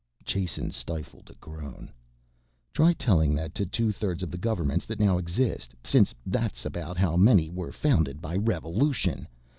Jason stifled a groan. "Try telling that to two thirds of the governments that now exist, since that's about how many were founded by revolution.